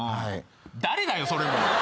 誰だよそれ。